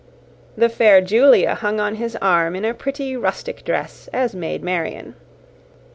The fair Julia hung on his arm in a pretty rustic dress, as "Maid Marian."